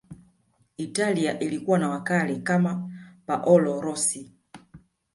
italia ilikuwa na wakali kama paolo rossi